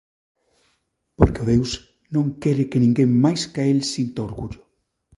'Porque o deus non quere que ninguén máis ca el sinta orgullo'.